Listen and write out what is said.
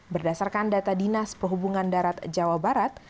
berdasarkan data dinas perhubungan darat jawa barat